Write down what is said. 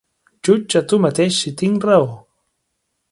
Jutja tu mateix si tinc raó.